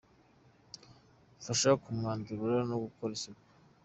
Fasha mu kwandurura no gukora isuku.